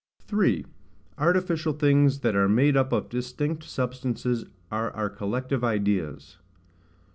3. Artificial things that are made up of distinct substances are our collective Ideas.